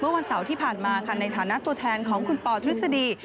วันเสาร์ที่ผ่านมาค่ะในฐานะตัวแทนของคุณปอทฤษฎี